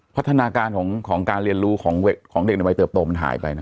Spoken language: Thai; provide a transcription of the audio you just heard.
พัฒนาการของการเรียนรู้ของเด็กในวัยเติบโตมันหายไปนะ